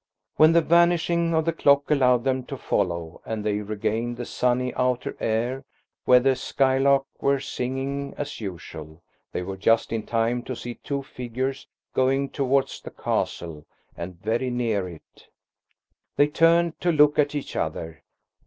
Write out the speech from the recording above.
When the vanishing of the clock allowed them to follow, and they regained the sunny outer air where the skylark were singing as usual, they were just in time to see two figures going towards the castle and very near it. They turned to look at each other.